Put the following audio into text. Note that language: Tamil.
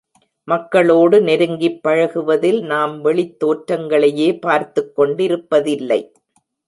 மக்களோடு நெருங்கிப் பழகுவதில் நாம் வெளித் தோற்றங்களையே பார்த்துக் கொண்டிருப்பதில்லை.